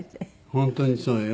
本当にそうよ。